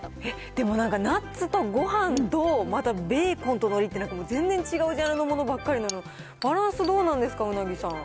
でもなんか、ナッツとごはんと、またベーコンと、のりって、なんかもう全然違うジャンルものばっかりなので、バランスどうなんですか、鰻さん。